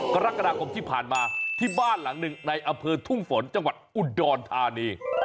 กรกฎาคมที่ผ่านมาที่บ้านหลังหนึ่งในอำเภอทุ่งฝนจังหวัดอุดรธานี